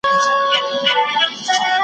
د هغه له ستوني دا ږغ پورته نه سي .